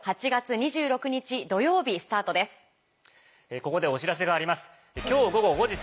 ・ここでお知らせがあります。